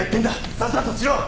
さっさとしろ！